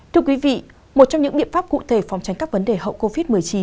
thưa quý vị một trong những biện pháp cụ thể phòng tránh các vấn đề hậu covid một mươi chín